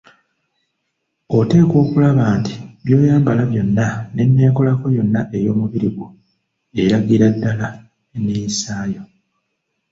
Oteekwa okulaba nti by'oyambala byonna n‘enneekolako yonna ey‘omubiri gwo eragira ddala enneeyisaayo.